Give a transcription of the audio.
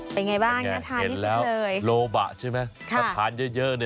เป็นอย่างไรบ้างน่าทานได้จริงเลย